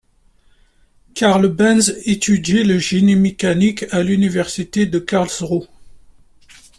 Carl Benz étudie le génie mécanique à l'université de Karlsruhe.